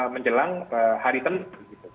menjelang hari tenang